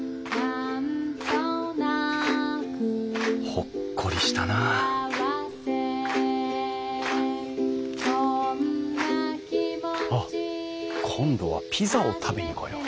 ほっこりしたなあっ今度はピザを食べに来よう。